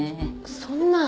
そんな。